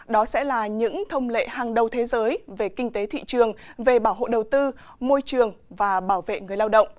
đó sẽ là những thông lệ hàng đầu thế giới về kinh tế thị trường về bảo hộ đầu tư môi trường và bảo vệ người lao động